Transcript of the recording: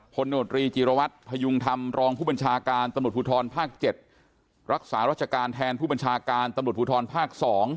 พนจิรวัตรพยุงธรรมรองผู้บัญชาการตผู้ทรภาค๗รักษารัจการแทนผู้บัญชาการตผู้ทรภาค๒